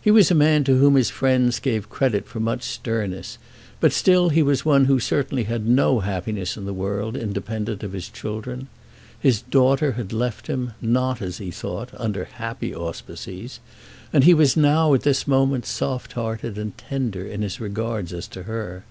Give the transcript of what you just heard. He was a man to whom his friends gave credit for much sternness; but still he was one who certainly had no happiness in the world independent of his children. His daughter had left him, not, as he thought, under happy auspices, and he was now, at this moment, soft hearted and tender in his regards as to her.